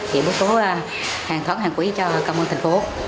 hệ thống hàng thóng hàng quý cho công an thành phố